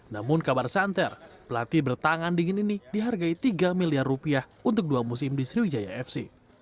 namun kabar santer pelatih bertangan dingin ini dihargai tiga miliar rupiah untuk dua musim di sriwijaya fc